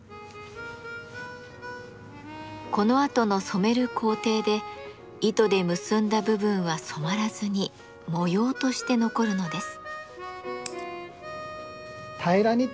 このあとの染める工程で糸で結んだ部分は染まらずに模様として残るのです。